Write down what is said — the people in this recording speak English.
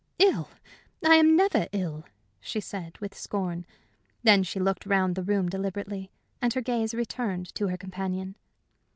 "Ill! I am never ill," she said, with scorn. Then she looked round the room deliberately, and her gaze returned to her companion.